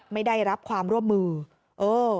ไม่ได้รับความร่วมมือเออ